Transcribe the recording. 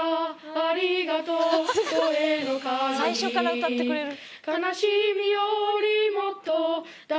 最初から歌ってくれる。